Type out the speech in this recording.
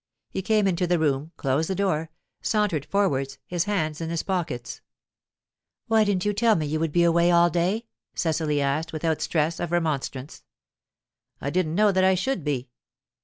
He came into the room, closed the door, sauntered forwards, his hands in his pockets. "Why didn't you tell me you would be away all day?" Cecily asked, without stress of remonstrance. "I didn't know that I should be."